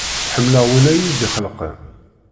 Ḥemmleɣ wina iyi-d-ixelqen.